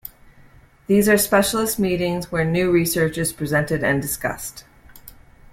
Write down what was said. These are specialist meetings where new research is presented and discussed.